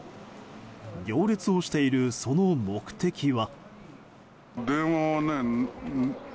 行列をしている、その目的は。